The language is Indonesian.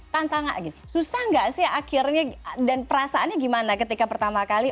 tantang gak susah gak sih akhirnya dan perasaannya gimana ketika pertama kali